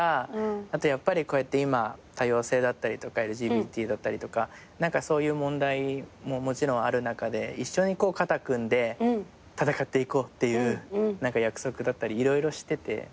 あとやっぱりこうやって今多様性だったりとかＬＧＢＴだったりとかそういう問題ももちろんある中で一緒に肩組んで闘っていこうっていう約束だったり色々してて。